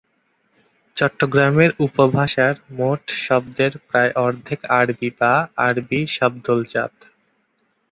চট্টগ্রামের উপভাষার মোট শব্দের প্রায় অর্ধেক আরবি বা আরবি শব্দলজাত।